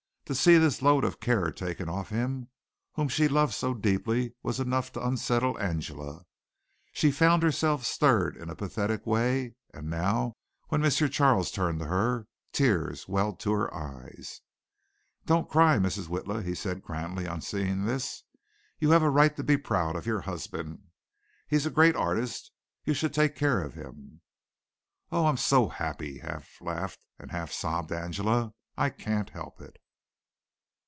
To see this load of care taken off him whom she loved so deeply was enough to unsettle Angela. She found herself stirred in a pathetic way and now, when M. Charles turned to her, tears welled to her eyes. "Don't cry, Mrs. Witla," he said grandly on seeing this. "You have a right to be proud of your husband. He is a great artist. You should take care of him." "Oh, I'm so happy," half laughed and half sobbed Angela, "I can't help it."